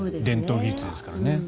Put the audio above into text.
伝統技術ですからね。